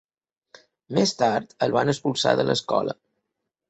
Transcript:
Més tard, el van expulsar de l'escola.